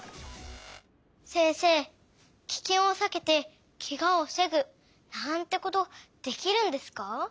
せんせいキケンをさけてケガをふせぐなんてことできるんですか？